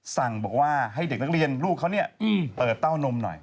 สั่งบอกว่าให้เด็กนักเรียนลูกเขาเนี่ยเปิดเต้านมหน่อย